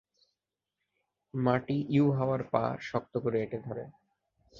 মাটি ইউহাওয়ার পা শক্ত করে এটে ধরে।